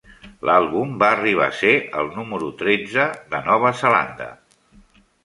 L'àlbum va arribar a ser el número tretze de Nova Zelanda.